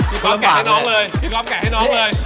พี่คอพแกะให้น้องเลย